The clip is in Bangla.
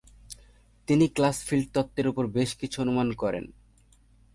তিনি ক্লাস ফিল্ড তত্ত্বের ওপর বেশ কিছু অনুমান করেন।